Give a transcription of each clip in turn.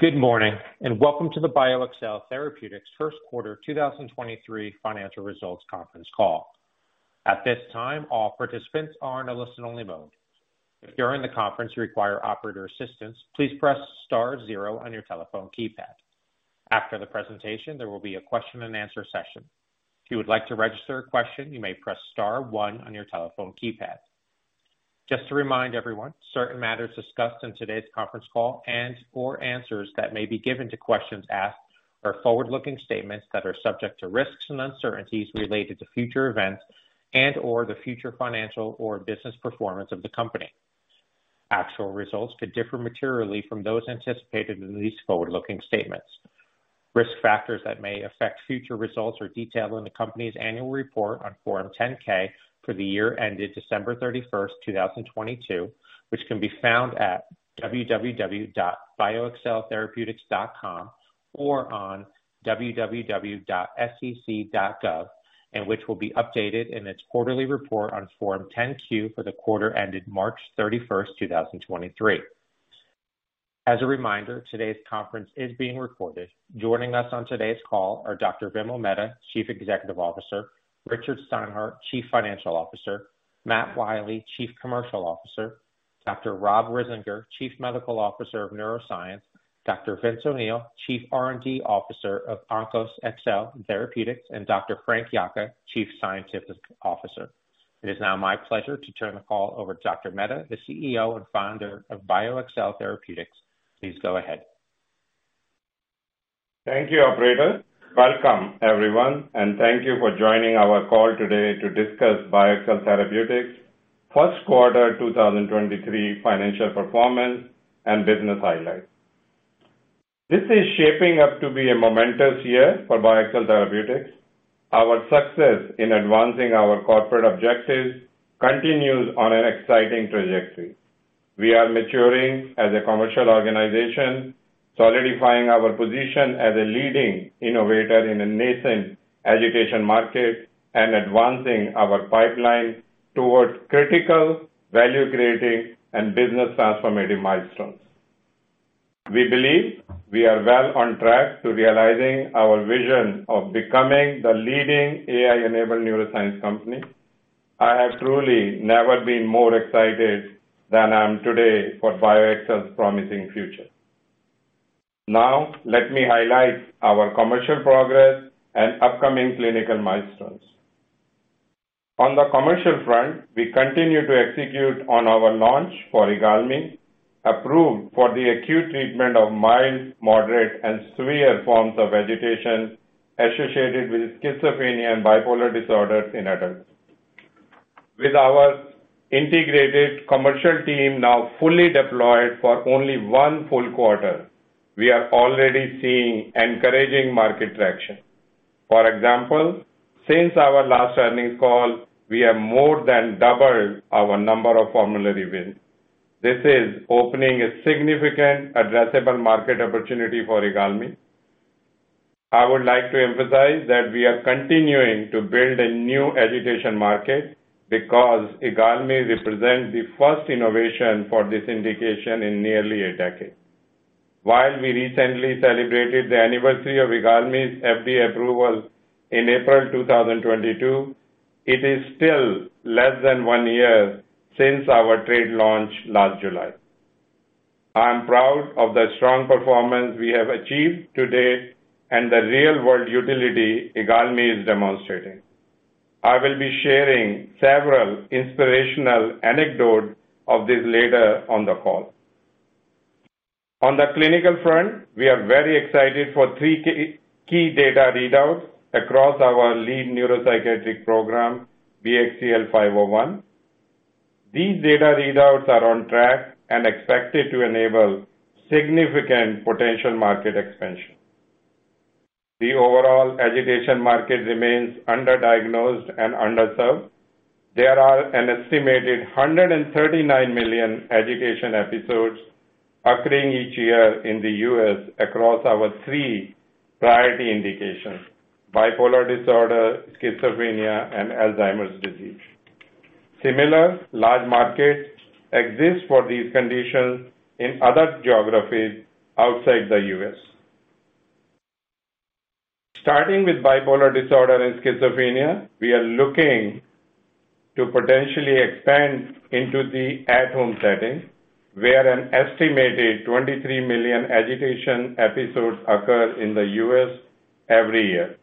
Good morning, welcome to the BioXcel Therapeutics first quarter 2023 financial results conference call. At this time, all participants are in a listen-only mode. If during the conference you require operator assistance, please press star zero on your telephone keypad. After the presentation, there will be a question-and-answer session. If you would like to register a question, you may press star one on your telephone keypad. Just to remind everyone, certain matters discussed in today's conference call and/or answers that may be given to questions asked are forward-looking statements that are subject to risks and uncertainties related to future events and/or the future financial or business performance of the company. Actual results could differ materially from those anticipated in these forward-looking statements. Risk factors that may affect future results are detailed in the company's annual report on Form 10-K for the year ended December 31st, 2022, which can be found at www.bioxceltherapeutics.com or on www.sec.gov, and which will be updated in its quarterly report on Form 10-Q for the quarter ended March 31st, 2023. As a reminder, today's conference is being recorded. Joining us on today's call are Dr. Vimal Mehta, Chief Executive Officer, Richard Steinhart, Chief Financial Officer, Matt Wiley, Chief Commercial Officer, Dr. Rob Risinger, Chief Medical Officer of Neuroscience, Dr. Vince O'Neill, Chief R&D Officer of OnkosXcel Therapeutics, and Dr. Frank Yocca, Chief Scientific Officer. It is now my pleasure to turn the call over to Dr. Mehta, the CEO and founder of BioXcel Therapeutics. Please go ahead. Thank you, operator. Welcome, everyone, and thank you for joining our call today to discuss BioXcel Therapeutics' first quarter 2023 financial performance and business highlights. This is shaping up to be a momentous year for BioXcel Therapeutics. Our success in advancing our corporate objectives continues on an exciting trajectory. We are maturing as a commercial organization, solidifying our position as a leading innovator in the nascent agitation market and advancing our pipeline towards critical value creating and business transformative milestones. We believe we are well on track to realizing our vision of becoming the leading AI-enabled neuroscience company. I have truly never been more excited than I am today for BioXcel's promising future. Now let me highlight our commercial progress and upcoming clinical milestones. On the commercial front, we continue to execute on our launch for IGALMI, approved for the acute treatment of mild, moderate, and severe forms of agitation associated with schizophrenia and bipolar disorders in adults. With our integrated commercial team now fully deployed for only one full quarter, we are already seeing encouraging market traction. For example, since our last earnings call, we have more than doubled our number of formulary wins. This is opening a significant addressable market opportunity for IGALMI. I would like to emphasize that we are continuing to build a new agitation market because IGALMI represents the first innovation for this indication in nearly a decade. While we recently celebrated the anniversary of IGALMI's FDA approval in April 2022, it is still less than one year since our trade launch last July. I am proud of the strong performance we have achieved to date and the real-world utility IGALMI is demonstrating. I will be sharing several inspirational anecdotes of this later on the call. On the clinical front, we are very excited for three key data readouts across our lead neuropsychiatric program, BXCL501. These data readouts are on track and expected to enable significant potential market expansion. The overall agitation market remains underdiagnosed and underserved. There are an estimated 139 million agitation episodes occurring each year in the U.S. across our three priority indications: bipolar disorder, schizophrenia, and Alzheimer's disease. Similar large markets exist for these conditions in other geographies outside the U.S. With bipolar disorder and schizophrenia, we are looking to potentially expand into the at-home setting, where an estimated 23 million agitation episodes occur in the U.S. every year.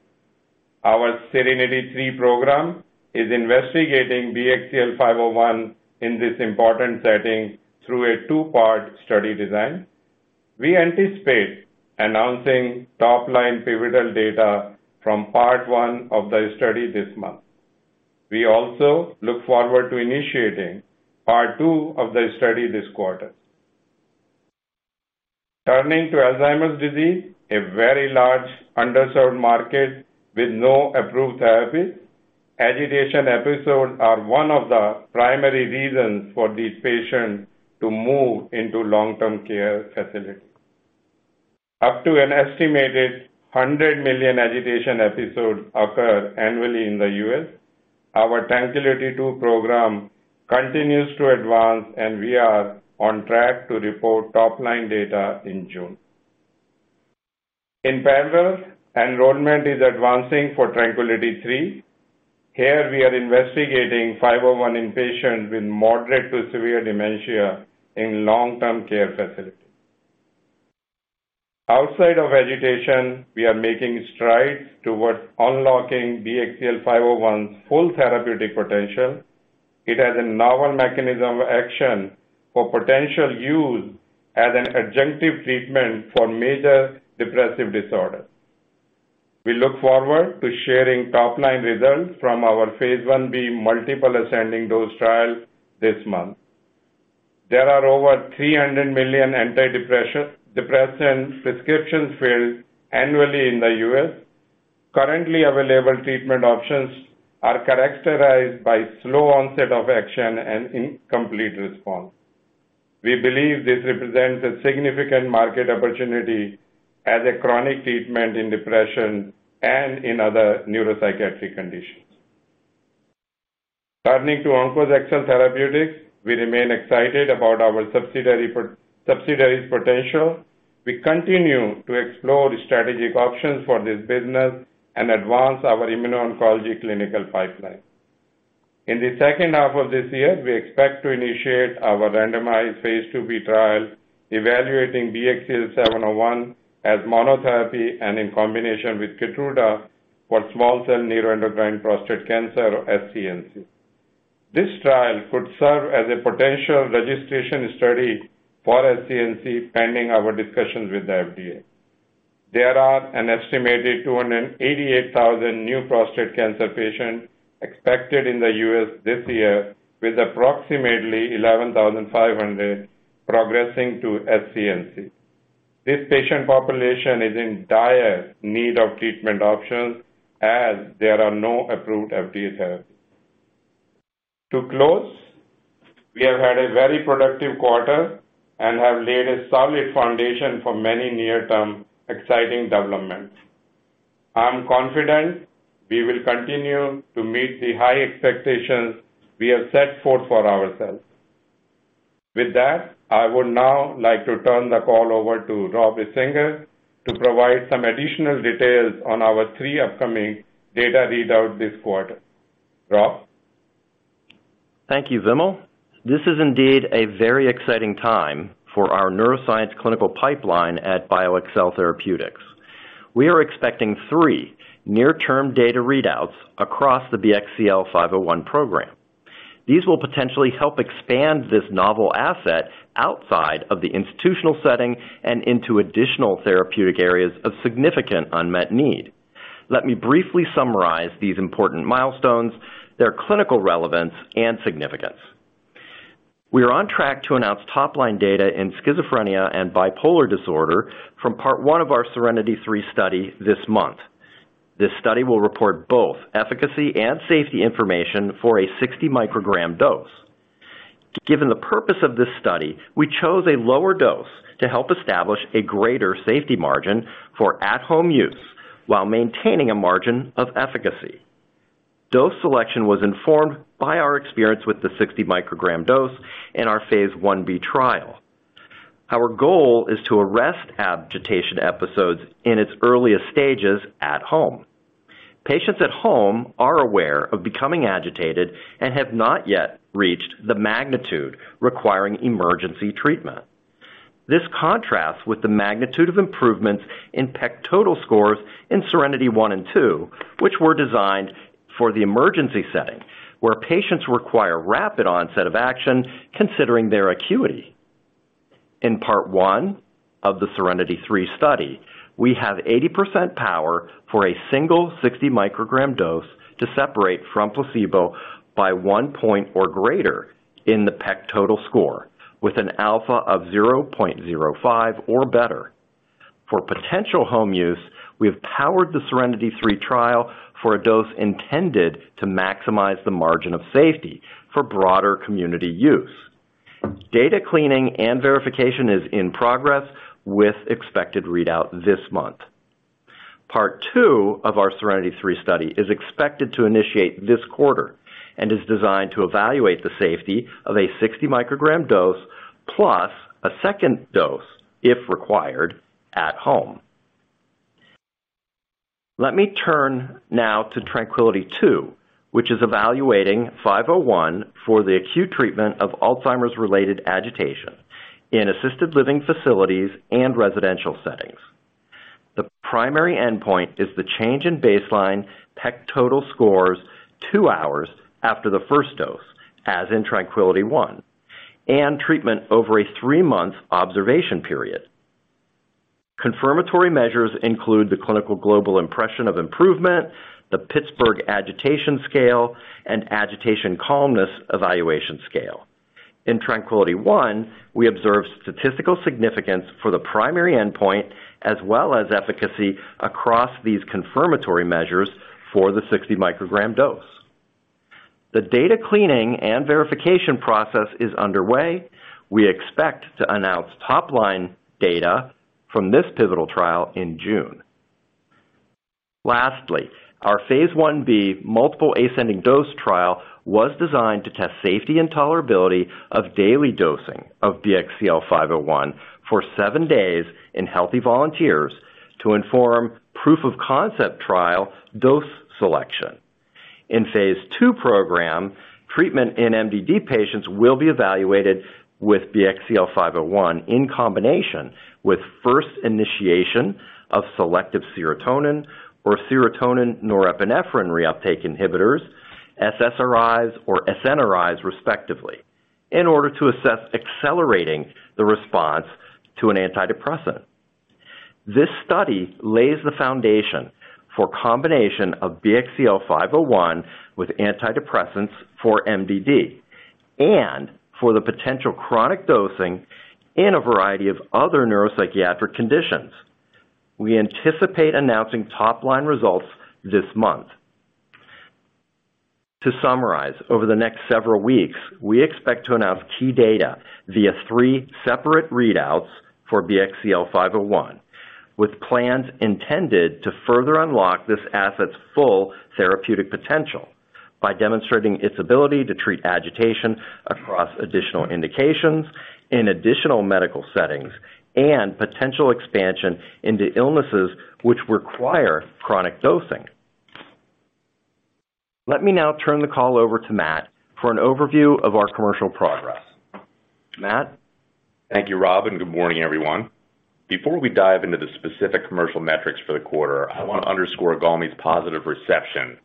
Our SERENITY III program is investigating BXCL501 in this important setting through a two-part study design. We anticipate announcing top-line pivotal data from part one of the study this month. We also look forward to initiating part two of the study this quarter. Turning to Alzheimer's disease, a very large underserved market with no approved therapy, agitation episodes are one of the primary reasons for these patients to move into long-term care facilities. Up to an estimated 100 million agitation episodes occur annually in the U.S. Our TRANQUILITY II program continues to advance, and we are on track to report top-line data in June. In parallel, enrollment is advancing for TRANQUILITY III. Here we are investigating 501 in patients with moderate to severe dementia in long-term care facilities. Outside of agitation, we are making strides towards unlocking BXCL501's full therapeutic potential. It has a novel mechanism of action for potential use as an adjunctive treatment for major depressive disorder. We look forward to sharing top-line results from our phase I b multiple ascending dose trial this month. There are over 300 million antidepressant prescriptions filled annually in the U.S. Currently available treatment options are characterized by slow onset of action and incomplete response. We believe this represents a significant market opportunity as a chronic treatment in depression and in other neuropsychiatric conditions. Turning to OnkosXcel Therapeutics, we remain excited about our subsidiary's potential. We continue to explore strategic options for this business and advance our immuno-oncology clinical pipeline. In the second half of this year, we expect to initiate our randomized phase II b trial evaluating BXCL701 as monotherapy and in combination with KEYTRUDA for small cell neuroendocrine prostate cancer, SCNC. This trial could serve as a potential registration study for SCNC pending our discussions with the FDA. There are an estimated 288,000 new prostate cancer patients expected in the US this year, with approximately 11,500 progressing to SCNC. This patient population is in dire need of treatment options as there are no approved FDA therapies. To close, we have had a very productive quarter and have laid a solid foundation for many near-term exciting developments. I am confident we will continue to meet the high expectations we have set forth for ourselves. With that, I would now like to turn the call over to Rob Risinger to provide some additional details on our three upcoming data readout this quarter. Rob? Thank you, Vimal. This is indeed a very exciting time for our neuroscience clinical pipeline at BioXcel Therapeutics. We are expecting three near-term data readouts across the BXCL501 program. These will potentially help expand this novel asset outside of the institutional setting and into additional therapeutic areas of significant unmet need. Let me briefly summarize these important milestones, their clinical relevance, and significance. We are on track to announce top-line data in schizophrenia and bipolar disorder from part one of our SERENITY III study this month. This study will report both efficacy and safety information for a 60-microgram dose. Given the purpose of this study, we chose a lower dose to help establish a greater safety margin for at-home use while maintaining a margin of efficacy. Dose selection was informed by our experience with the 60-microgram dose in our Phase I b trial. Our goal is to arrest agitation episodes in its earliest stages at home. Patients at home are aware of becoming agitated and have not yet reached the magnitude requiring emergency treatment. This contrasts with the magnitude of improvements in PEC total scores in SERENITY I and II, which were designed for the emergency setting, where patients require rapid onset of action considering their acuity. In part one of the SERENITY III study, we have 80% power for a single 60-microgram dose to separate from placebo by 1 point or greater in the PEC total score with an alpha of 0.05 or better. For potential home use, we have powered the SERENITY III trial for a dose intended to maximize the margin of safety for broader community use. Data cleaning and verification is in progress with expected readout this month. Part two of our SERENITY III study is expected to initiate this quarter and is designed to evaluate the safety of a 60-microgram dose plus a second dose if required at home. Let me turn now to TRANQUILITY II, which is evaluating 501 for the acute treatment of Alzheimer's-related agitation in assisted living facilities and residential settings. The primary endpoint is the change in baseline PEC total scores two hours after the first dose, as in TRANQUILITY I, and treatment over a three-month observation period. Confirmatory measures include the Clinical Global Impressions – Improvement, the Pittsburgh Agitation Scale, and Agitation and Calmness Evaluation Scale. In TRANQUILITY I, we observed statistical significance for the primary endpoint as well as efficacy across these confirmatory measures for the 60-microgram dose. The data cleaning and verification process is underway. We expect to announce top line data from this pivotal trial in June. Lastly, our phase I b multiple ascending dose trial was designed to test safety and tolerability of daily dosing of BXCL501 for seven days in healthy volunteers to inform proof of concept trial dose selection. In phase II program, treatment in MDD patients will be evaluated with BXCL501 in combination with first initiation of selective serotonin or serotonin norepinephrine reuptake inhibitors, SSRIs or SNRIs respectively, in order to assess accelerating the response to an antidepressant. This study lays the foundation for combination of BXCL501 with antidepressants for MDD and for the potential chronic dosing in a variety of other neuropsychiatric conditions. We anticipate announcing top-line results this month. To summarize, over the next several weeks, we expect to announce key data via three separate readouts for BXCL501, with plans intended to further unlock this asset's full therapeutic potential by demonstrating its ability to treat agitation across additional indications in additional medical settings and potential expansion into illnesses which require chronic dosing. Let me now turn the call over to Matt for an overview of our commercial progress. Matt? Thank you, Rob, and good morning, everyone. Before we dive into the specific commercial metrics for the quarter, I want to underscore IGALMI's positive reception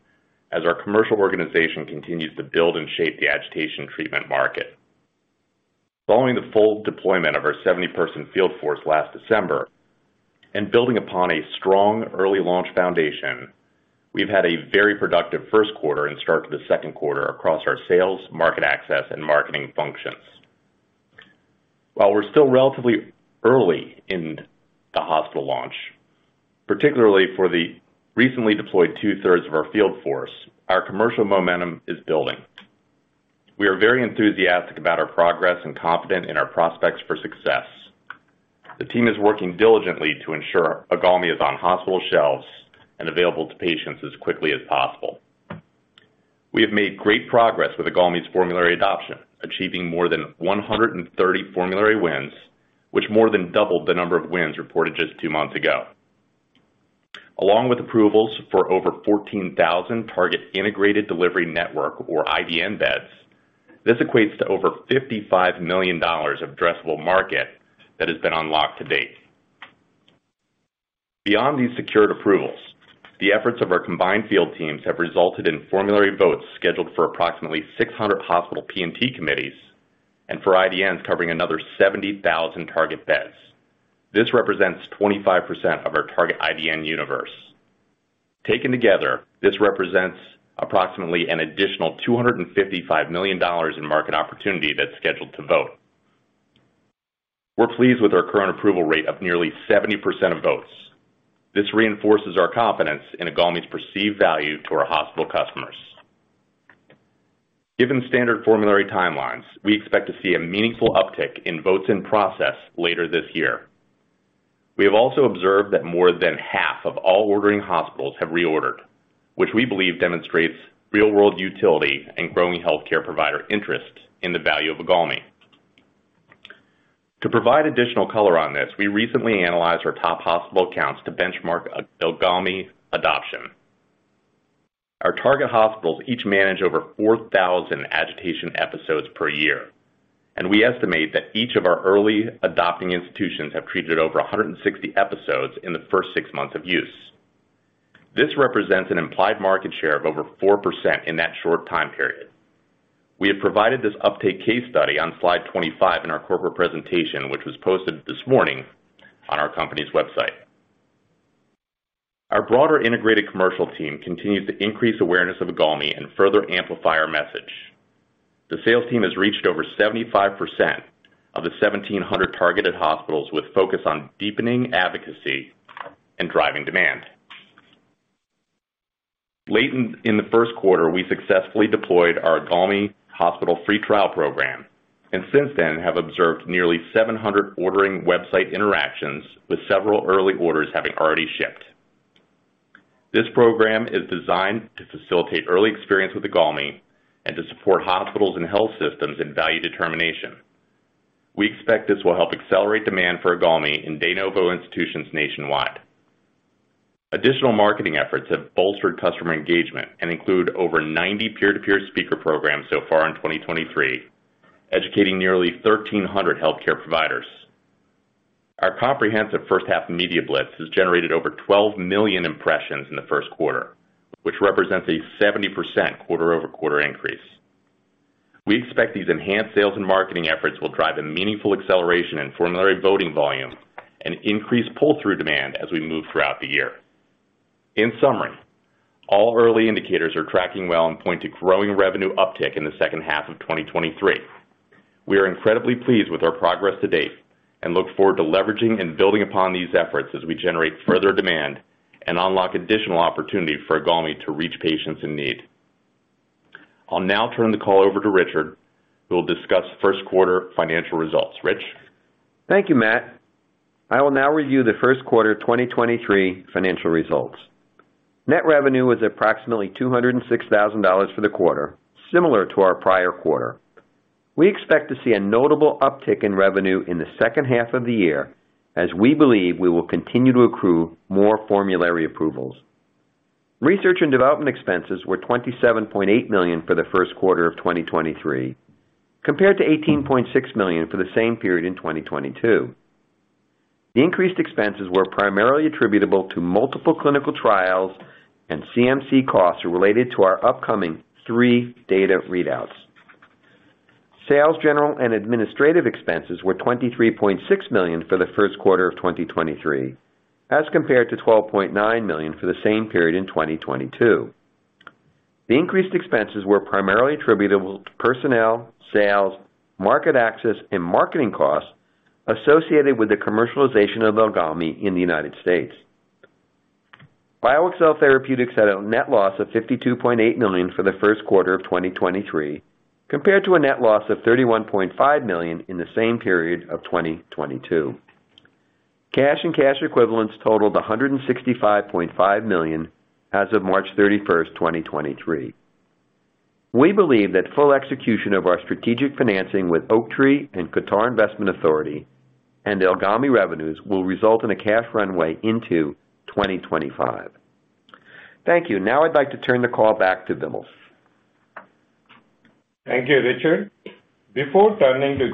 as our commercial organization continues to build and shape the agitation treatment market. Following the full deployment of our 70-person field force last December and building upon a strong early launch foundation, we've had a very productive first quarter and start to the second quarter across our sales, market access, and marketing functions. While we're still relatively early in the hospital launch, particularly for the recently deployed two-thirds of our field force, our commercial momentum is building. We are very enthusiastic about our progress and confident in our prospects for success. The team is working diligently to ensure IGALMI is on hospital shelves and available to patients as quickly as possible. We have made great progress with IGALMI's formulary adoption, achieving more than 130 formulary wins, which more than doubled the number of wins reported just two months ago. Along with approvals for over 14,000 target integrated delivery network or IDN beds, this equates to over $55 million of addressable market that has been unlocked to date. Beyond these secured approvals, the efforts of our combined field teams have resulted in formulary votes scheduled for approximately 600 hospital P&T committees and for IDNs covering another 70,000 target beds. This represents 25% of our target IDN universe. Taken together, this represents approximately an additional $255 million in market opportunity that's scheduled to vote. We're pleased with our current approval rate of nearly 70% of votes. This reinforces our confidence in IGALMI's perceived value to our hospital customers. Given standard formulary timelines, we expect to see a meaningful uptick in votes in process later this year. We have also observed that more than half of all ordering hospitals have reordered, which we believe demonstrates real-world utility and growing healthcare provider interest in the value of IGALMI. To provide additional color on this, we recently analyzed our top hospital accounts to benchmark IGALMI adoption. Our target hospitals each manage over 4,000 agitation episodes per year, and we estimate that each of our early adopting institutions have treated over 160 episodes in the first six months of use. This represents an implied market share of over 4% in that short time period. We have provided this uptake case study on slide 25 in our corporate presentation, which was posted this morning on our company's website. Our broader integrated commercial team continues to increase awareness of IGALMI and further amplify our message. The sales team has reached over 75% of the 1,700 targeted hospitals with focus on deepening advocacy and driving demand. Late in the first quarter, we successfully deployed our IGALMI hospital free trial program, and since then have observed nearly 700 ordering website interactions with several early orders having already shipped. This program is designed to facilitate early experience with IGALMI and to support hospitals and health systems in value determination. We expect this will help accelerate demand for IGALMI in de novo institutions nationwide. Additional marketing efforts have bolstered customer engagement and include over 90 peer-to-peer speaker programs so far in 2023, educating nearly 1,300 healthcare providers. Our comprehensive first half media blitz has generated over 12 million impressions in the first quarter, which represents a 70% quarter-over-quarter increase. We expect these enhanced sales and marketing efforts will drive a meaningful acceleration in formulary voting volume and increase pull-through demand as we move throughout the year. In summary, all early indicators are tracking well and point to growing revenue uptick in the second half of 2023. We are incredibly pleased with our progress to date and look forward to leveraging and building upon these efforts as we generate further demand and unlock additional opportunity for IGALMI to reach patients in need. I'll now turn the call over to Richard, who will discuss first quarter financial results. Rich? Thank you, Matt. I will now review the first quarter 2023 financial results. Net revenue was approximately $206,000 for the quarter, similar to our prior quarter. We expect to see a notable uptick in revenue in the second half of the year as we believe we will continue to accrue more formulary approvals. Research and development expenses were $27.8 million for the first quarter of 2023, compared to $18.6 million for the same period in 2022. The increased expenses were primarily attributable to multiple clinical trials and CMC costs related to our upcoming 3 data readouts. Sales, general and administrative expenses were $23.6 million for the first quarter of 2023, as compared to $12.9 million for the same period in 2022. The increased expenses were primarily attributable to personnel, sales, market access and marketing costs associated with the commercialization of IGALMI in the U.S. BioXcel Therapeutics had a net loss of $52.8 million for the first quarter of 2023, compared to a net loss of $31.5 million in the same period of 2022. Cash and cash equivalents totaled $165.5 million as of March 31st, 2023. We believe that full execution of our strategic financing with Oaktree and Qatar Investment Authority and the IGALMI revenues will result in a cash runway into 2025. Thank you. I'd like to turn the call back to Vimal. Thank you, Richard. Before turning to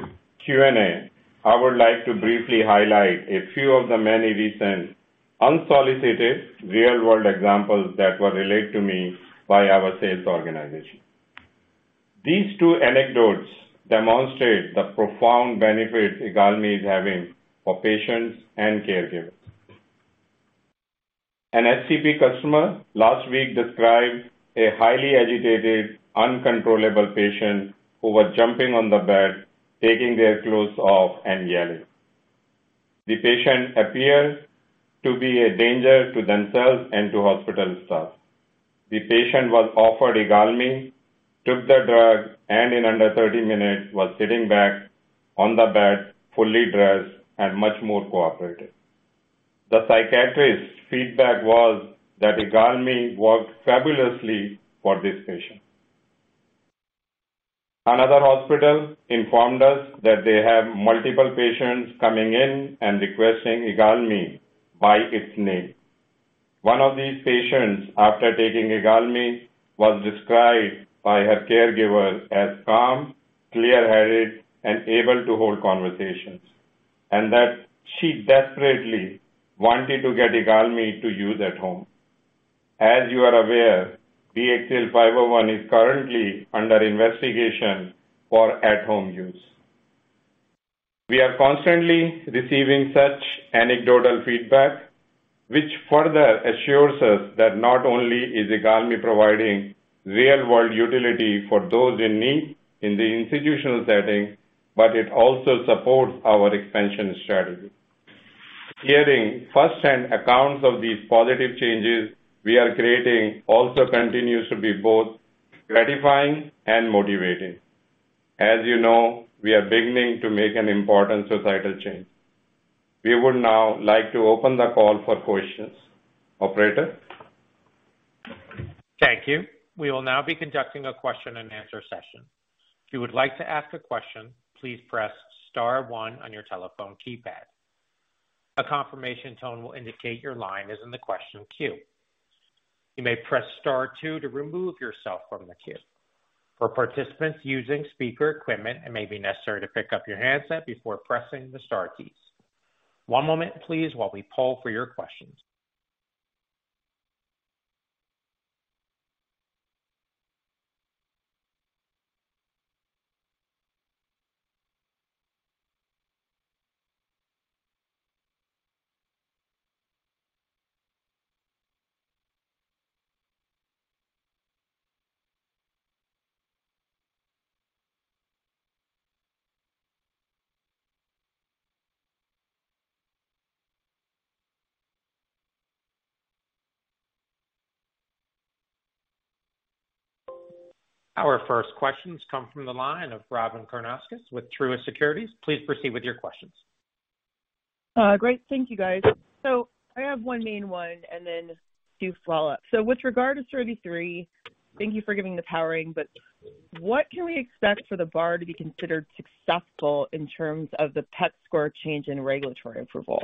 Q&A, I would like to briefly highlight a few of the many recent unsolicited real-world examples that were relayed to me by our sales organization. These two anecdotes demonstrate the profound benefit IGALMI is having for patients and caregivers. An SCP customer last week described a highly agitated, uncontrollable patient who was jumping on the bed, taking their clothes off and yelling. The patient appeared to be a danger to themselves and to hospital staff. The patient was offered IGALMI, took the drug, and in under 30 minutes was sitting back on the bed, fully dressed and much more cooperative. The psychiatrist's feedback was that IGALMI worked fabulously for this patient. Another hospital informed us that they have multiple patients coming in and requesting IGALMI by its name. One of these patients, after taking IGALMI, was described by her caregivers as calm, clear-headed, and able to hold conversations, that she desperately wanted to get IGALMI to use at home. As you are aware, BXCL501 is currently under investigation for at-home use. We are constantly receiving such anecdotal feedback, which further assures us that not only is IGALMI providing real-world utility for those in need in the institutional setting, but it also supports our expansion strategy. Hearing firsthand accounts of these positive changes we are creating also continues to be both gratifying and motivating. As you know, we are beginning to make an important societal change. We would now like to open the call for questions. Operator? Thank you. We will now be conducting a question and answer session. If you would like to ask a question, please press star one on your telephone keypad. A confirmation tone will indicate your line is in the question queue. You may press star two to remove yourself from the queue. For participants using speaker equipment, it may be necessary to pick up your handset before pressing the star keys. One moment, please, while we poll for your questions. Our first questions come from the line of Robyn Karnauskas with Truist Securities. Please proceed with your questions. Great. Thank you, guys. I have 1 main one and then two follow-ups. With regard to 33, thank you for giving the powering, but what can we expect for the bar to be considered successful in terms of the PEC score change in regulatory approval?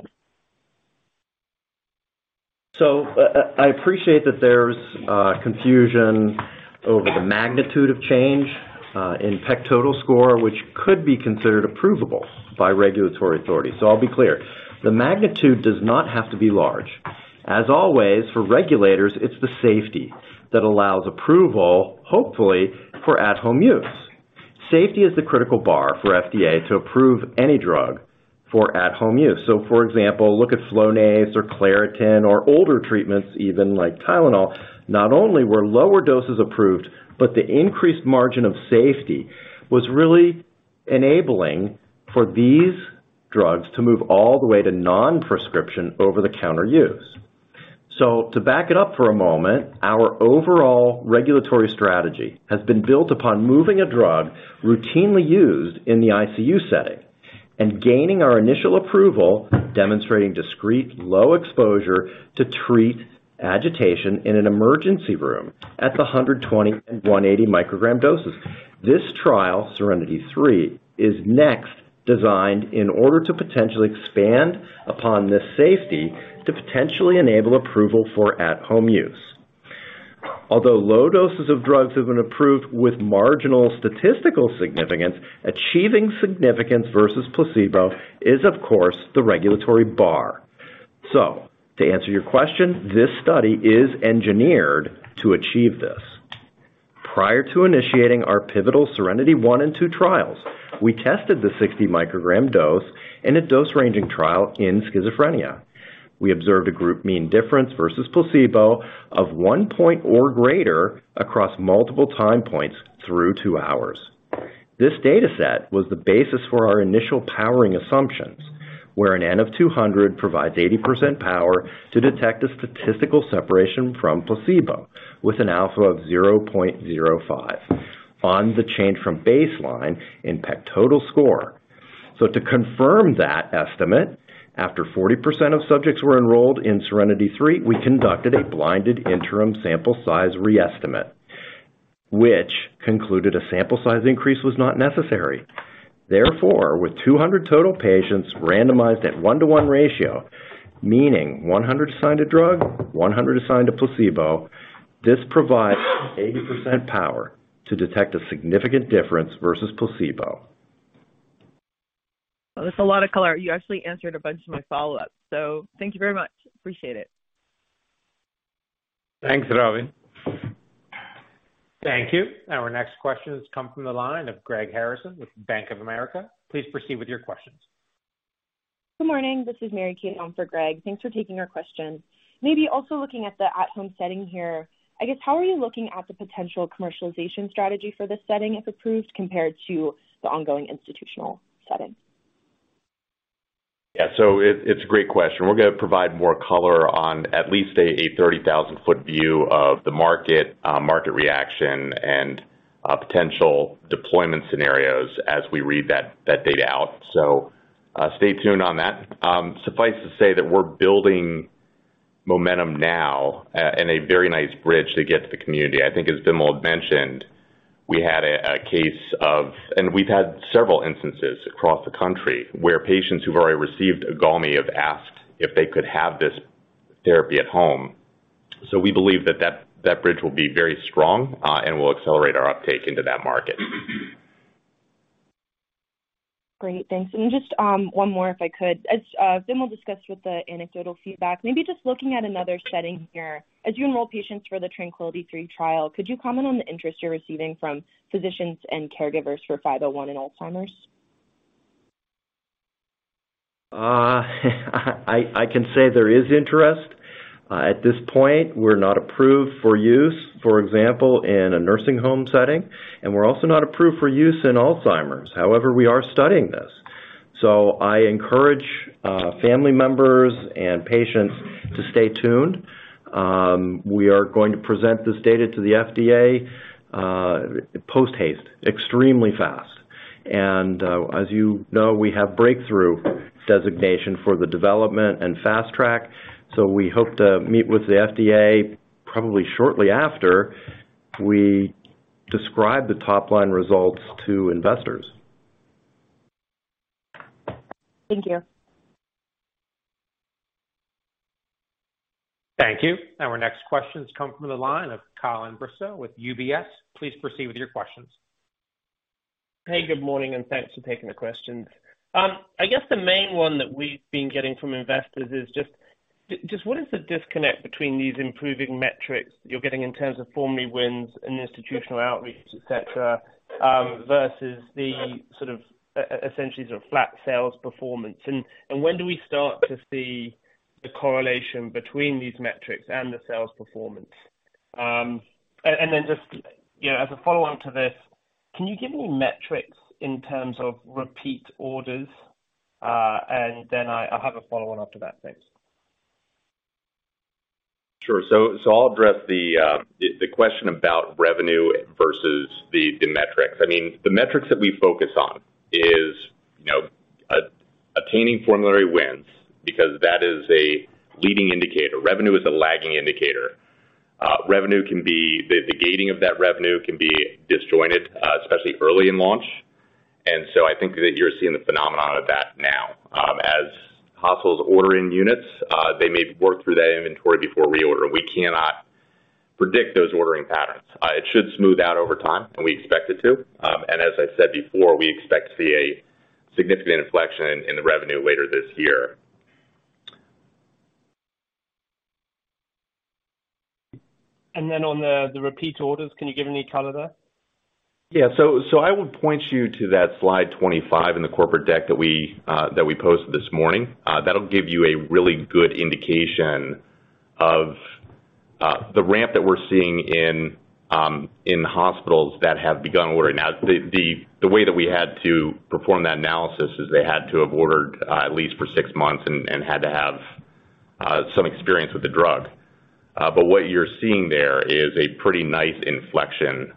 I appreciate that there's confusion over the magnitude of change in PEC total score, which could be considered approvable by regulatory authorities. I'll be clear. The magnitude does not have to be large. As always, for regulators, it's the safety that allows approval, hopefully for at-home use. Safety is the critical bar for FDA to approve any drug. For at-home use. For example, look at Flonase or Claritin or older treatments, even like Tylenol. Not only were lower doses approved, but the increased margin of safety was really enabling for these drugs to move all the way to non-prescription over-the-counter use. To back it up for a moment, our overall regulatory strategy has been built upon moving a drug routinely used in the ICU setting and gaining our initial approval, demonstrating discrete low exposure to treat agitation in an emergency room at the 120 and 180 microgram doses. This trial, SERENITY-III, is next designed in order to potentially expand upon this safety to potentially enable approval for at-home use. Although low doses of drugs have been approved with marginal statistical significance, achieving significance versus placebo is, of course, the regulatory bar. To answer your question, this study is engineered to achieve this. Prior to initiating our pivotal SERENITY-I and SERENITY-II trials, we tested the 60 microgram dose in a dose-ranging trial in schizophrenia. We observed a group mean difference versus placebo of one point or greater across multiple time points through two hours. This data set was the basis for our initial powering assumptions, where an N of 200 provides 80% power to detect a statistical separation from placebo with an alpha of 0.05 on the change from baseline in PEC total score. To confirm that estimate, after 40% of subjects were enrolled in SERENITY-III, we conducted a blinded interim sample size re-estimate, which concluded a sample size increase was not necessary. With 200 total patients randomized at one-to-one ratio, meaning 100 assigned to drug, 100 assigned to placebo, this provides 80% power to detect a significant difference versus placebo. That's a lot of color. You actually answered a bunch of my follow-ups. Thank you very much. Appreciate it. Thanks, Robyn. Thank you. Our next question has come from the line of Greg Harrison with Bank of America. Please proceed with your questions. Good morning. This is Mary Kate on for Greg. Thanks for taking our question. Maybe also looking at the at-home setting here. I guess, how are you looking at the potential commercialization strategy for this setting, if approved, compared to the ongoing institutional setting? Yeah. It's a great question. We're gonna provide more color on at least a 30,000-foot view of the market reaction and potential deployment scenarios as we read that data out. Stay tuned on that. Suffice to say that we're building momentum now and a very nice bridge to get to the community. I think as Vimal mentioned, we had a case of... and we've had several instances across the country where patients who've already received IGALMI have asked if they could have this therapy at home. We believe that bridge will be very strong and will accelerate our uptake into that market. Great. Thanks. Just, one more, if I could. As Vimal discussed with the anecdotal feedback, maybe just looking at another setting here. As you enroll patients for the TRANQUILITY III trial, could you comment on the interest you're receiving from physicians and caregivers for BXCL501 in Alzheimer's? I can say there is interest. At this point, we're not approved for use, for example, in a nursing home setting, and we're also not approved for use in Alzheimer's. However, we are studying this. I encourage, family members and patients to stay tuned. We are going to present this data to the FDA, post-haste, extremely fast. As you know, we have Breakthrough designation for the development and Fast Track, so we hope to meet with the FDA probably shortly after we describe the top-line results to investors. Thank you. Thank you. Our next question's come from the line of Colin Bristow with UBS. Please proceed with your questions. Hey, good morning, and thanks for taking the question. I guess the main one that we've been getting from investors is just what is the disconnect between these improving metrics you're getting in terms of formulary wins and institutional outreach, et cetera, versus the sort of essentially sort of flat sales performance? When do we start to see the correlation between these metrics and the sales performance? Then just, you know, as a follow-on to this, can you give me metrics in terms of repeat orders? Then I have a follow-on after that. Thanks. Sure. So I'll address the question about revenue versus the metrics. I mean, the metrics that we focus on is, you know, obtaining formulary wins because that is a leading indicator. Revenue is a lagging indicator. Revenue can be. The gating of that revenue can be disjointed, especially early in launch. I think that you're seeing the phenomenon of that now. As hospitals order in units, they may work through their inventory before reorder. We cannot predict those ordering patterns. It should smooth out over time, and we expect it to. As I said before, we expect to see a significant inflection in the revenue later this year. On the repeat orders, can you give any color there? I would point you to that slide 25 in the corporate deck that we that we posted this morning. That'll give you a really good indication of the ramp that we're seeing in hospitals that have begun ordering. Now, the way that we had to perform that analysis is they had to have ordered at least for six months and had to have some experience with the drug. What you're seeing there is a pretty nice inflection.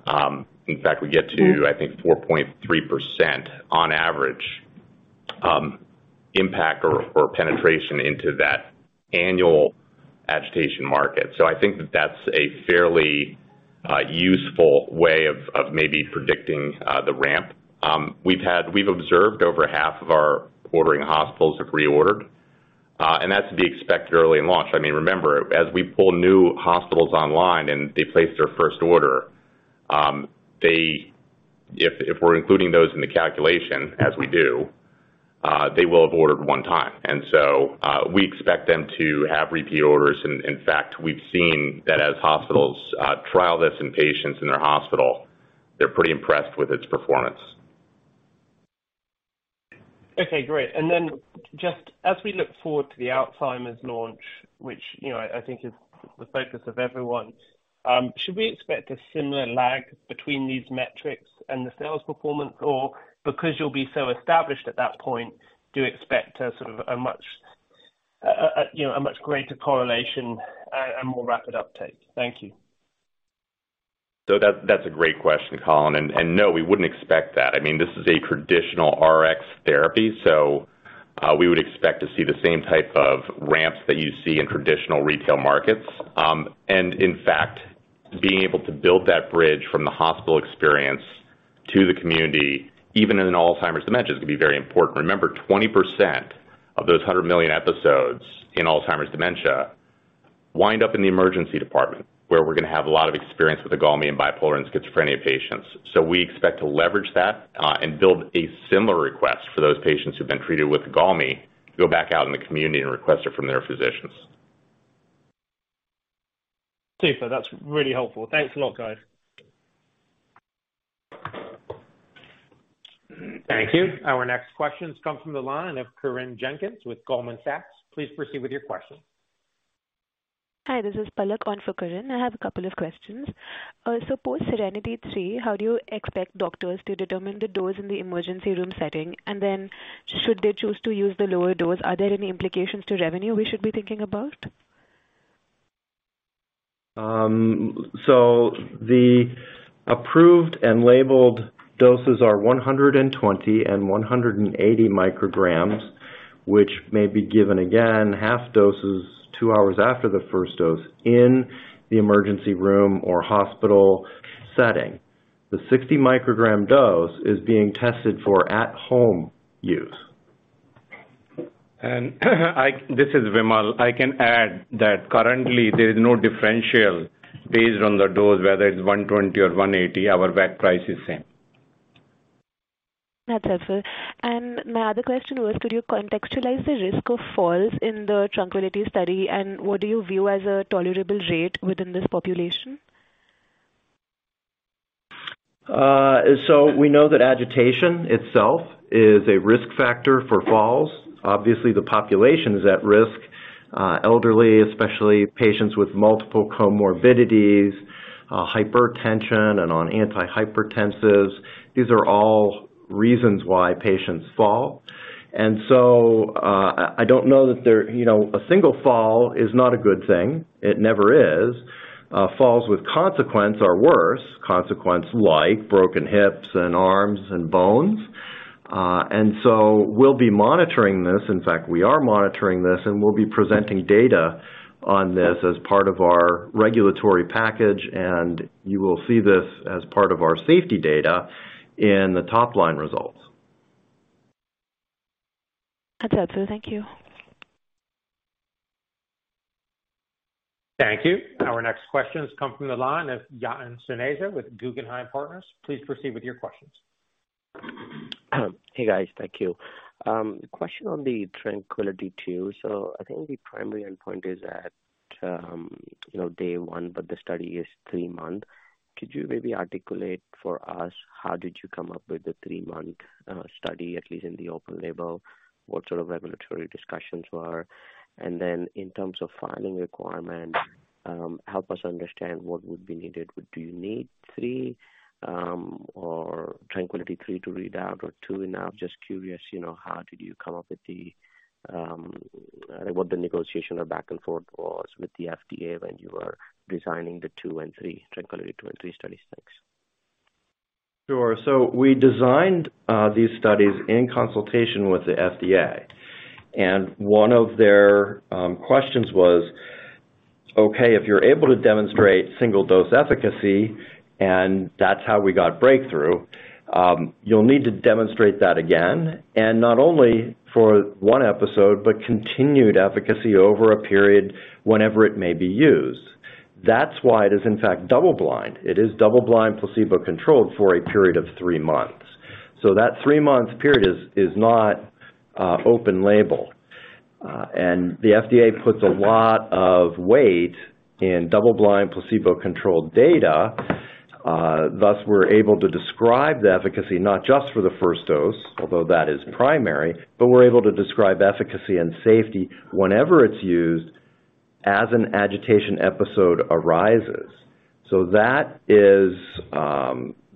In fact, we get to, I think, 4.3% on average, impact or penetration into that annual agitation market. I think that that's a fairly useful way of maybe predicting the ramp. We've observed over half of our ordering hospitals have reordered, and that's to be expected early in launch. I mean, remember, as we pull new hospitals online and they place their first order, if we're including those in the calculation, as we do, they will have ordered one time. We expect them to have repeat orders. In fact, we've seen that as hospitals trial this in patients in their hospital, they're pretty impressed with its performance. Okay, great. Just as we look forward to the Alzheimer's launch, which, you know, I think is the focus of everyone, should we expect a similar lag between these metrics and the sales performance? Because you'll be so established at that point, do you expect a, sort of, a much, a, you know, a much greater correlation and more rapid uptake? Thank you. That's a great question, Colin. No, we wouldn't expect that. I mean, this is a traditional Rx therapy, so we would expect to see the same type of ramps that you see in traditional retail markets. In fact, being able to build that bridge from the hospital experience to the community, even in an Alzheimer's dementia, is gonna be very important. Remember, 20% of those 100 million episodes in Alzheimer's dementia wind up in the emergency department, where we're gonna have a lot of experience with IGALMI and bipolar and schizophrenia patients. We expect to leverage that and build a similar request for those patients who've been treated with IGALMI to go back out in the community and request it from their physicians. Super. That's really helpful. Thanks a lot, guys. Thank you. Our next question comes from the line of Corinne Jenkins with Goldman Sachs. Please proceed with your question. Hi, this is Palak on for Corinne. I have a couple of questions. Suppose SERENITY III, how do you expect doctors to determine the dose in the emergency room setting? Should they choose to use the lower dose, are there any implications to revenue we should be thinking about? The approved and labeled doses are 120 and 180 micrograms, which may be given again, half doses two hours after the first dose in the emergency room or hospital setting. The 60 microgram dose is being tested for at home use. This is Vimal. I can add that currently there is no differential based on the dose, whether it's 120 or 180. Our back price is same. That's helpful. My other question was, could you contextualize the risk of falls in the TRANQUILITY study? What do you view as a tolerable rate within this population? We know that agitation itself is a risk factor for falls. Obviously, the population is at risk. Elderly, especially patients with multiple comorbidities, hypertension and on antihypertensives, these are all reasons why patients fall. I don't know that there... You know, a single fall is not a good thing. It never is. Falls with consequence are worse. Consequence like broken hips and arms and bones. We'll be monitoring this. In fact, we are monitoring this, and we'll be presenting data on this as part of our regulatory package, and you will see this as part of our safety data in the top line results. That's helpful. Thank you. Thank you. Our next question comes from the line of Yatin Suneja with Guggenheim Partners. Please proceed with your questions. Hey, guys. Thank you. Question on the TRANQUILITY II. I think the primary endpoint is at, you know, day one, but the study is three months. Could you maybe articulate for us, how did you come up with the three-month study, at least in the open label? What sort of regulatory discussions were? In terms of filing requirements, help us understand what would be needed. Do you need three, or TRANQUILITY III to read out or two enough? You know, how did you come up with what the negotiation or back and forth was with the FDA when you were designing the two and three, TRANQUILITY II and III studies. Thanks. Sure. We designed these studies in consultation with the FDA, and one of their questions was, "Okay, if you're able to demonstrate single dose efficacy, and that's how we got Breakthrough, you'll need to demonstrate that again, and not only for one episode, but continued efficacy over a period whenever it may be used." That's why it is in fact double-blind. It is double-blind placebo-controlled for a period of three months. That three-month period is not open label. The FDA puts a lot of weight in double-blind placebo-controlled data. Thus we're able to describe the efficacy not just for the 1st dose, although that is primary, but we're able to describe efficacy and safety whenever it's used as an agitation episode arises. That is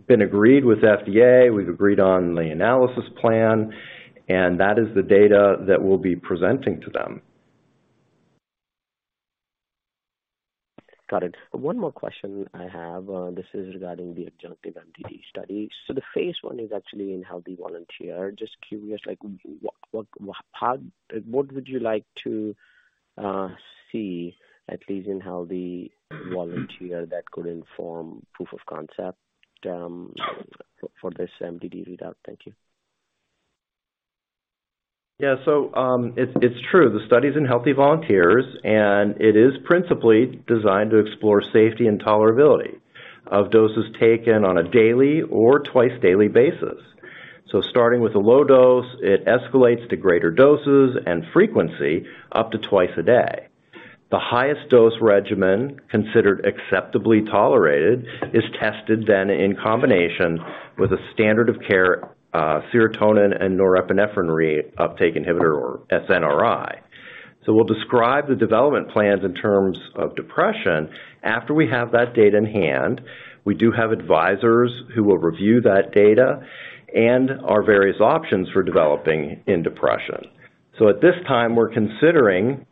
been agreed with FDA. We've agreed on the analysis plan, and that is the data that we'll be presenting to them. Got it. One more question I have, this is regarding the adjunctive MDD study. The phase I is actually in healthy volunteer. Just curious, like what would you like to see at least in healthy volunteer that could inform proof of concept for this MDD readout? Thank you. Yeah. It's, it's true the study's in healthy volunteers, and it is principally designed to explore safety and tolerability of doses taken on a daily or twice-daily basis. Starting with a low dose, it escalates to greater doses and frequency up to twice a day. The highest dose regimen considered acceptably tolerated is tested then in combination with a standard of care, serotonin and norepinephrine reuptake inhibitor or SNRI. We'll describe the development plans in terms of depression after we have that data in hand. We do have advisors who will review that data and our various options for developing in depression. At this time, we're considering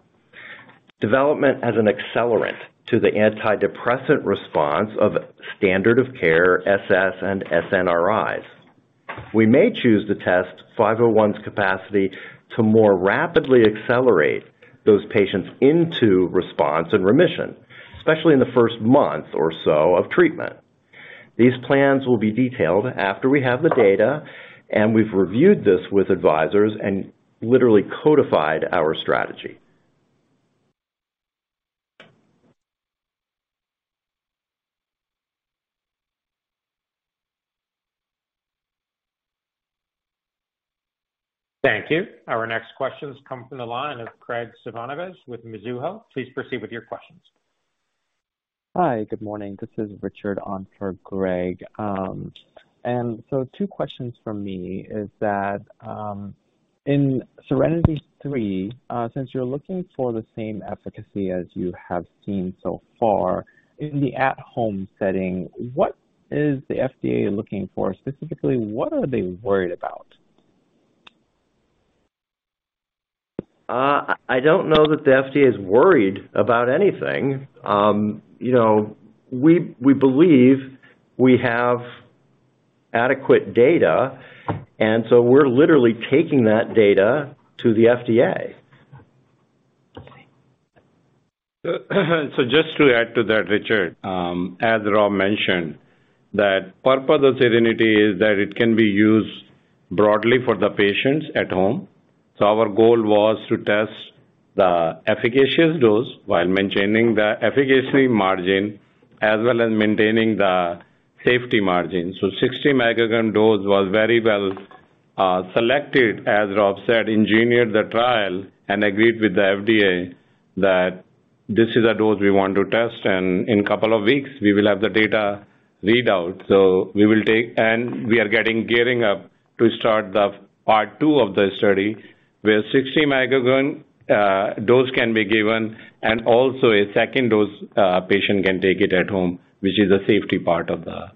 development as an accelerant to the antidepressant response of standard of care SSNRIs. We may choose to test 501's capacity to more rapidly accelerate those patients into response and remission, especially in the first month or so of treatment. These plans will be detailed after we have the data, and we've reviewed this with advisors and literally codified our strategy. Thank you. Our next questions come from the line of Graig Suvannavejh with Mizuho. Please proceed with your questions. Hi. Good morning. This is Richard on for Greg. Two questions from me is that, in SERENITY III, since you're looking for the same efficacy as you have seen so far in the at-home setting, what is the FDA looking for? Specifically, what are they worried about? I don't know that the FDA is worried about anything. you know, we believe we have adequate data, and so we're literally taking that data to the FDA. Just to add to that, Richard, as Rob mentioned, that purpose of SERENITY is that it can be used broadly for the patients at home. Our goal was to test the efficacious dose while maintaining the efficacy margin as well as maintaining the safety margin. 60 microgram dose was very well selected, as Rob said, engineered the trial and agreed with the FDA that this is a dose we want to test. In couple of weeks, we will have the data readout. And we are gearing up to start the part two of the study, where 60 microgram dose can be given and also a second dose patient can take it at home, which is a safety part of the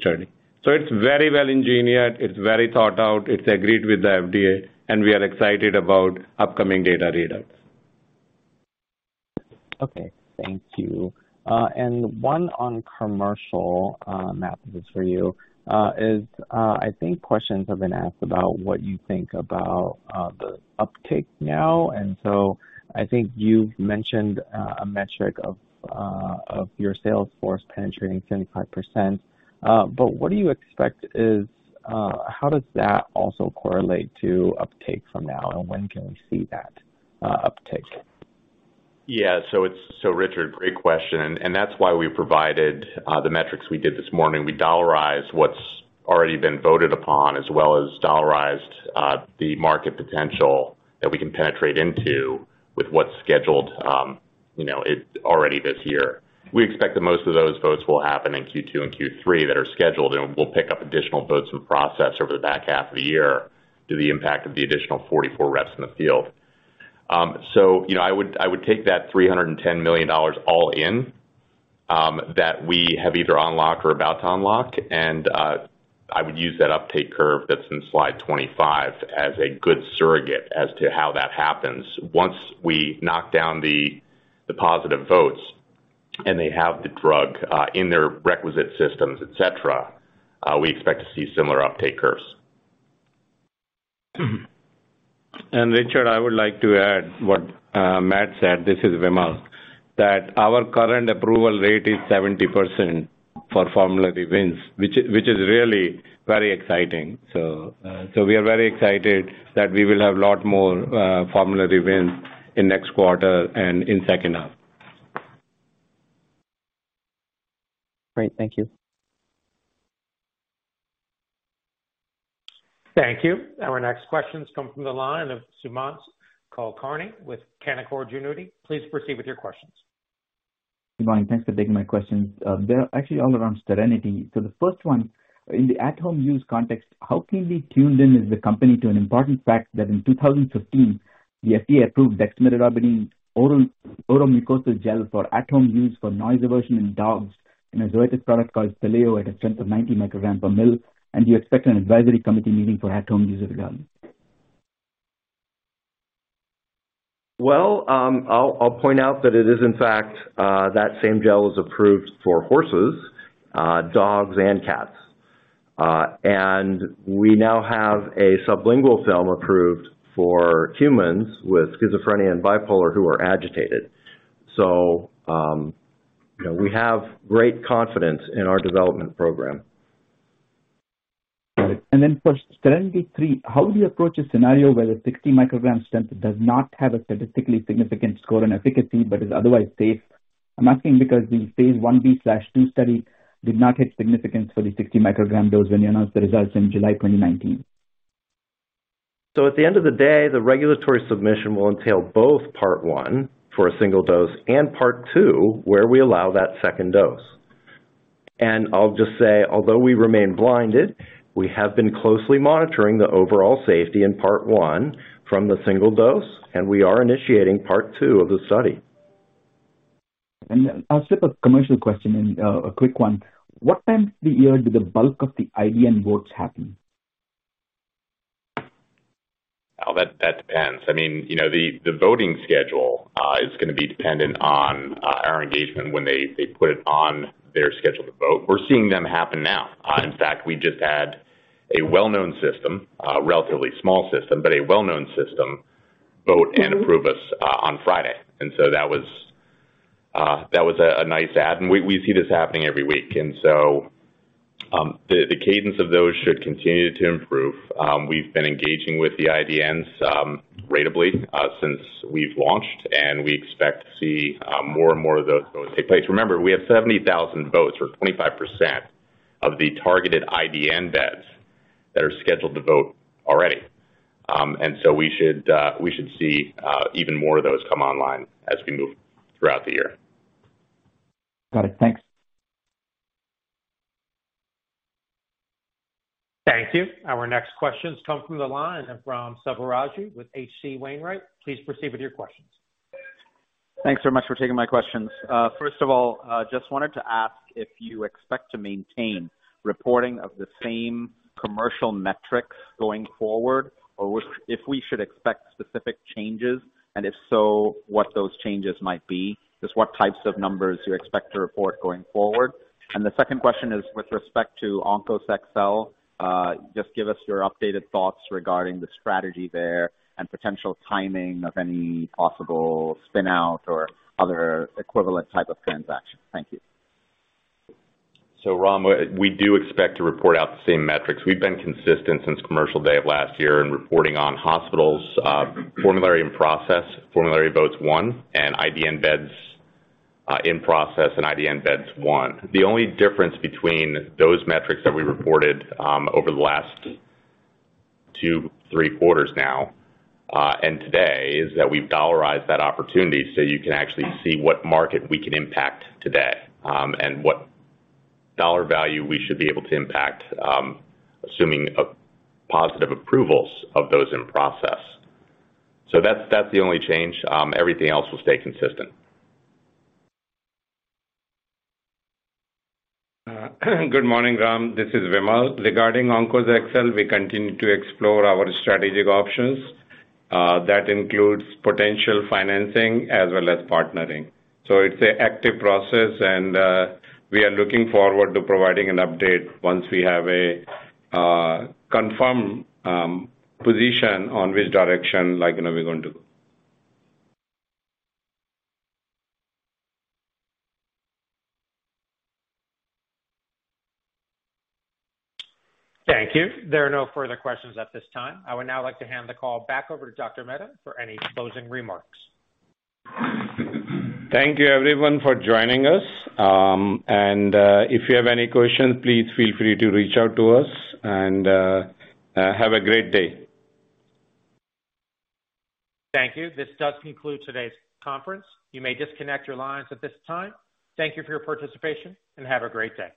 study. It's very well engineered. It's very thought out. It's agreed with the FDA, and we are excited about upcoming data readouts. Okay. Thank you. One on commercial, Matt, this is for you. I think questions have been asked about what you think about the uptake now. I think you've mentioned a metric of your sales force penetrating 75%. What do you expect is, how does that also correlate to uptake from now, and when can we see that uptake? Richard, great question. That's why we provided the metrics we did this morning. We dollarized what's already been voted upon as well as dollarized the market potential that we can penetrate into with what's scheduled, you know, already this year. We expect that most of those votes will happen in Q2 and Q3 that are scheduled. We'll pick up additional votes in process over the back half of the year due to the impact of the additional 44 reps in the field. You know, I would take that $310 million all in that we have either unlocked or about to unlock. I would use that uptake curve that's in slide 25 as a good surrogate as to how that happens. Once we knock down the positive votes and they have the drug in their requisite systems, et cetera, we expect to see similar uptake curves. Richard, I would like to add what Matt said. This is Vimal. That our current approval rate is 70% for formulary wins, which is really very exciting. We are very excited that we will have a lot more formulary wins in next quarter and in second half. Great. Thank you. Thank you. Our next questions come from the line of Sumant Kulkarni with Canaccord Genuity. Please proceed with your questions. Good morning. Thanks for taking my questions. They're actually all around SERENITY. The first one, in the at home use context, how keenly tuned in is the company to an important fact that in 2015, the FDA approved dexmedetomidine oromucosal gel for at home use for noise aversion in dogs in a related product called Sileo at a strength of 90 microgram per mil. Do you expect an advisory committee meeting for at home use of the drug? Well, I'll point out that it is in fact, that same gel is approved for horses, dogs, and cats. We now have a sublingual film approved for humans with schizophrenia and bipolar who are agitated. You know, we have great confidence in our development program. Got it. For SERENITY III, how would you approach a scenario where the 60 microgram strength does not have a statistically significant score on efficacy but is otherwise safe? I'm asking because the phase I b/II study did not hit significance for the 60 microgram dose when you announced the results in July 2019. At the end of the day, the regulatory submission will entail both part one for a single dose and part two where we allow that second dose. I'll just say, although we remain blinded, we have been closely monitoring the overall safety in part one from the single dose, and we are initiating part two of the study. I'll slip a commercial question in, a quick one. What time of the year do the bulk of the IDN votes happen? Oh, that depends. I mean, you know, the voting schedule is gonna be dependent on our engagement when they put it on their schedule to vote. We're seeing them happen now. In fact, we just had a well-known system, a relatively small system, but a well-known system vote and approve us on Friday. That was a nice add, and we see this happening every week. The cadence of those should continue to improve. We've been engaging with the IDNs ratably since we've launched, and we expect to see more and more of those votes take place. Remember, we have 70,000 votes or 25% of the targeted IDN beds that are scheduled to vote already. We should see even more of those come online as we move throughout the year. Got it. Thanks. Thank you. Our next questions come from the line and from Selvaraju with H.C. Wainwright. Please proceed with your questions. Thanks very much for taking my questions. First of all, just wanted to ask if you expect to maintain reporting of the same commercial metrics going forward, or if we should expect specific changes, and if so, what those changes might be. Just what types of numbers you expect to report going forward. The second question is with respect to OnkosXcel. Just give us your updated thoughts regarding the strategy there and potential timing of any possible spin out or other equivalent type of transaction. Thank you. Ram, we do expect to report out the same metrics. We've been consistent since commercial day of last year in reporting on hospitals, formulary and process, formulary votes won, and IDN beds in process and IDN beds won. The only difference between those metrics that we reported over the last two, three quarters now, and today is that we've dollarized that opportunity, so you can actually see what market we can impact today, and what dollar value we should be able to impact, assuming a positive approvals of those in process. That's the only change. Everything else will stay consistent. Good morning, Ram. This is Vimal. Regarding OnkosXcel, we continue to explore our strategic options. That includes potential financing as well as partnering. It's a active process and we are looking forward to providing an update once we have a confirmed position on which direction, like, you know, we're going to go. Thank you. There are no further questions at this time. I would now like to hand the call back over to Dr. Mehta for any closing remarks. Thank you everyone for joining us. If you have any questions, please feel free to reach out to us. Have a great day. Thank you. This does conclude today's conference. You may disconnect your lines at this time. Thank you for your participation, have a great day.